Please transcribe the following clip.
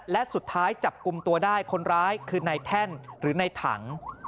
และสุดท้ายจับกลุ่มตัวได้คนร้ายคือนายแท่นหรือในถัง